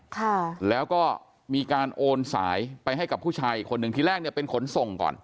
ค่ะแล้วก็มีการโอนสายไปให้กับผู้ชายอีกคนหนึ่งที่แรกเนี่ยเป็นขนส่งก่อน